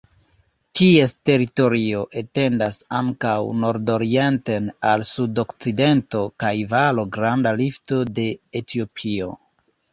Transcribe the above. Ties teritorio etendas ankaŭ nordorienten al sudokcidento kaj valo Granda Rifto de Etiopio.